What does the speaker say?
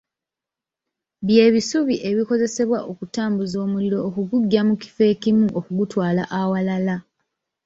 Bye bisubi ebikoleezebwa okutambuza omuliro okuguggya mu kifo ekimu okugutwala awalala.